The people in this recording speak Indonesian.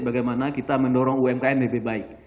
bagaimana kita mendorong umkm lebih baik